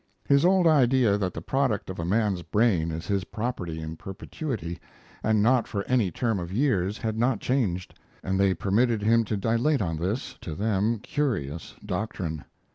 His old idea that the product of a man's brain is his property in perpetuity and not for any term of years had not changed, and they permitted him to dilate on this (to them) curious doctrine.